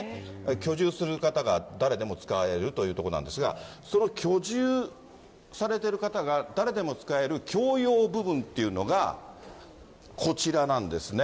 居住する方が誰でも使えるという所なんですが、その居住されている方が誰でも使える共用部分というのが、こちらなんですね。